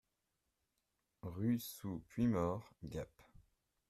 Rue sous Puymaure, Gap